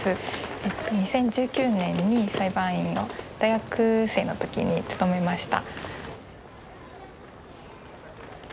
２０１９年に裁判員を大学生の時に務めました。